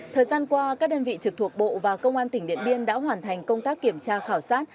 thời gian qua các đơn vị trực thuộc bộ và công an tỉnh điện biên đã hoàn thành công tác kiểm tra khảo sát